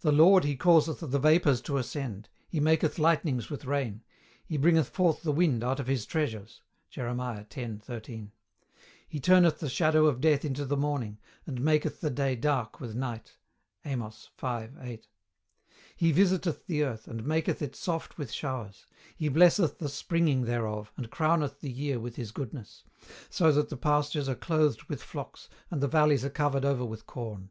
"The Lord He causeth the vapours to ascend; He maketh lightnings with rain; He bringeth forth the wind out of his treasures." Jerem. 10. 13. "He turneth the shadow of death into the morning, and maketh the day dark with night." Amos, 5. 8. "He visiteth the earth, and maketh it soft with showers: He blesseth the springing thereof, and crowneth the year with His goodness; so that the pastures are clothed with flocks, and the valleys are covered over with corn."